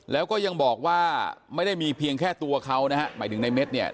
แล้วก็ยังบอกว่าไม่ได้มีเพียงแค่ตัวเขานะฮะหมายถึงในเม็ดเนี่ย